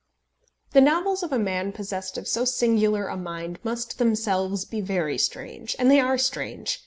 The novels of a man possessed of so singular a mind must themselves be very strange, and they are strange.